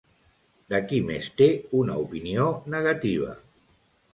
De qui més té una opinió negativa?